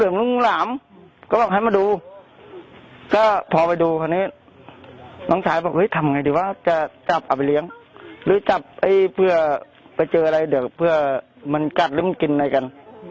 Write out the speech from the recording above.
มันกัดแล้วกินอะไรกัน